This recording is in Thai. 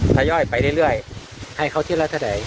ผย่อยไปเรื่อยให้เขาทศใด